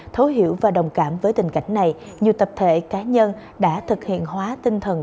thấu hiểu và đồng cảm với tình cảnh này nhiều tập thể cá nhân đã thực hiện hóa tinh thần